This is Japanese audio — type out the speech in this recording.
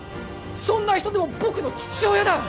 そんな人でも僕の父親だ！